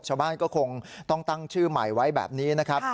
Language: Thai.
ชาวบ้านก็คงต้องตั้งชื่อใหม่ไว้แบบนี้นะครับ